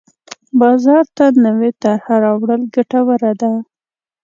بازار ته نوې طرحه راوړل ګټوره ده.